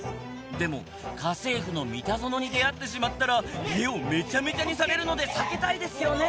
でも家政夫のミタゾノに出会ってしまったら家をめちゃめちゃにされるので避けたいですよね